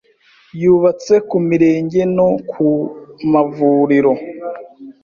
yubatse ku mirenge no ku mavuriro